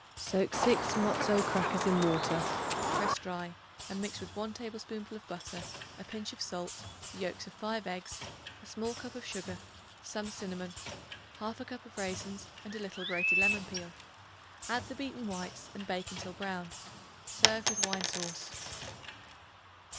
Soak 6 matzoth crackers in water; press dry and mix with 1 tablespoonful of butter, a pinch of salt, the yolks of 5 eggs, a small cup of sugar, some cinnamon, 1/2 cup of raisins and a little grated lemon peel. Add the beaten whites and bake until brown. Serve with wine sauce.